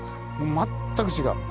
全く違う。